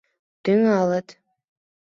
Тӱҥалыт!